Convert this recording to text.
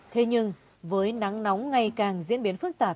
thế nhưng với nắng nóng ngày càng diễn biến phức tạp